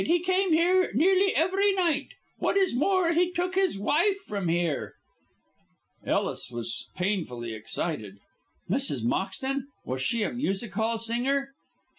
He came here nearly every night. What is more, he took his wife from here." Ellis was painfully excited. "Mrs. Moxton? Was she a music hall singer?"